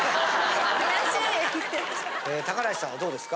高梨さんはどうですか？